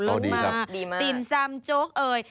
ลงมาติ่มซำโจ๊กเอ่ย